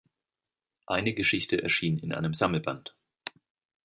Eine Geschichte erschien in einem Sammelband.